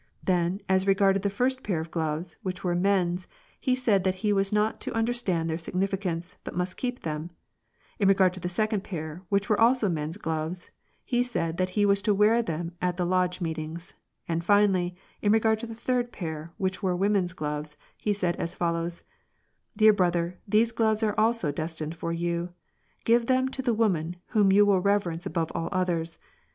Then, as regarded the first pair of gloves, which were men's, he said that he was not to under stand their signification, but must keep them ; in regard to the second pair, which were also men's gloves, he said that he was to wear them at the lodge meetings ; and, finally, in regard to the third pair, which were a woman's gloves, he said as follows, —" Dear brother, these gloves also are destined for you. . Give them to the woman whom you will reverence above all others.